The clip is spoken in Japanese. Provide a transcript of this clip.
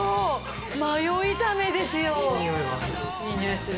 マヨ炒めですよ。